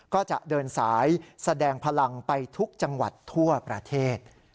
ก็จะเดินสายแสดงพลังไปทุกจังหวัดทั่วประเทศ